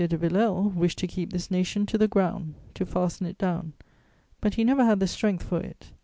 de Villèle wished to keep this nation to the ground, to fasten it down, but he never had the strength for it.